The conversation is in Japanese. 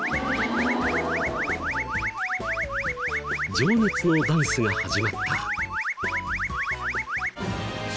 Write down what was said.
情熱のダンスが始まった。